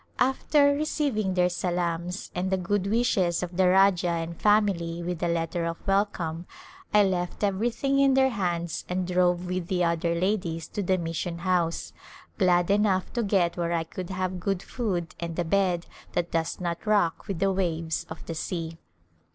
After receiving their salams and the good wishes of the Rajah and family with a letter of wel come, I left everything in their hands and drove with the other ladies to the mission house, glad enough to get where I could have good food and a bed that does not rock with the waves of the sea.